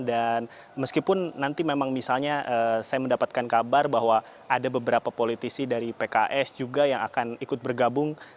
dan meskipun nanti memang misalnya saya mendapatkan kabar bahwa ada beberapa politisi dari pks juga yang akan ikut bergabung